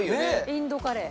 インドカレー。